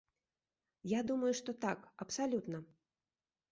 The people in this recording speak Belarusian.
Я думаю, што так, абсалютна.